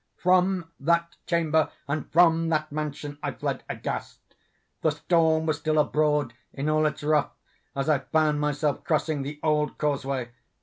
From that chamber, and from that mansion, I fled aghast. The storm was still abroad in all its wrath as I found myself crossing the old causeway.